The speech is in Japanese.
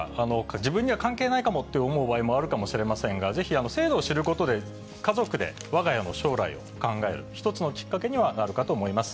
自分には関係ないかもって思う場合もあるかもしれませんが、ぜひ制度を知ることで、家族で、わが家の将来を考える、一つのきっかけにはなるかと思います。